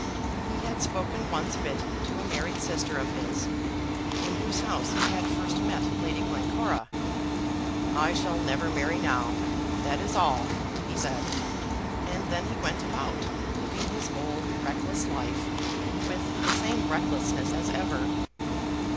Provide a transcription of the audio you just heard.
He had spoken once of it to a married sister of his, in whose house he had first met Lady Glencora. "I shall never marry now, that is all," he said and then he went about, living his old reckless life, with the same recklessness as ever.